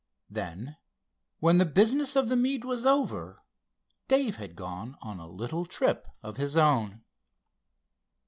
Then, when the business of the meet was over Dave had gone on a little trip of his own.